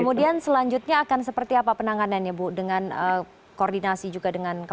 kemudian selanjutnya akan seperti apa penanganannya bu dengan koordinasi juga dengan kepolisian